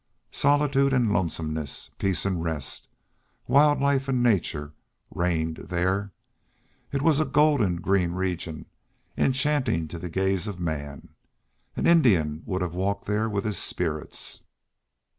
Solitude and lonesomeness, peace and rest, wild life and nature, reigned there. It was a golden green region, enchanting to the gaze of man. An Indian would have walked there with his spirits.